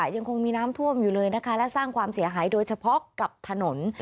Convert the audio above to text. ยังคงมีน้ำท่วมอยู่เลยนะคะและสร้างความเสียหายโดยเฉพาะกับถนน